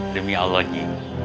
demi allah ji